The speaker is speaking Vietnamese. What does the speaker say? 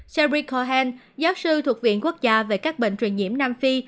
serie cohen giáo sư thuộc viện quốc gia về các bệnh truyền nhiễm nam phi